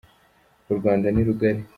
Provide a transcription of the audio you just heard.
Urwanda ni rugari.